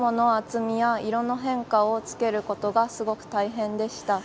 雲の厚みや色の変化をつけることがすごく大変でした。